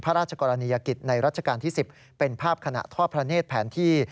พระราชกรณียกิจในรัชกาลที่๑๐เป็นภาพขณะทอดพระเนธแผนที่